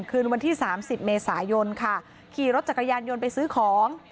คืนวันที่สามสิบเมษายนค่ะขี่รถจักรยานยนต์ไปซื้อของ